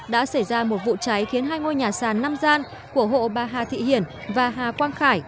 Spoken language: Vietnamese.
đã xảy ra một vụ cháy khiến hai ngôi nhà sàn năm gian của hộ bà hà thị hiển và hà quang khải